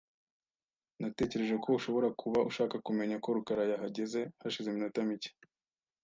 Natekereje ko ushobora kuba ushaka kumenya ko rukara yahageze hashize iminota mike .